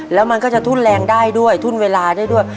แล้วมันก็จะทุ่นแรงได้ด้วยทุ่นเวลาได้ด้วย